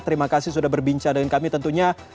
terima kasih sudah berbincang dengan kami tentunya